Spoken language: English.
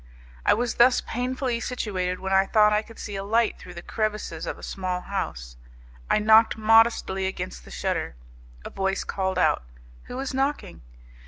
I was thus painfully situated when I thought I could see a light through the crevices of a small house. I knocked modestly against the shutter. A voice called out: "Who is knocking?"